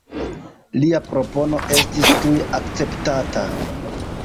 Lia propono estis tuj akceptata.